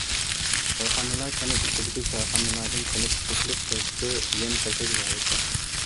كارخانىلار كەنت ئىچىدىكى كارخانىلاردىن قېلىپ چەكلىك شىركىتى، يەم-خەشەك زاۋۇتى.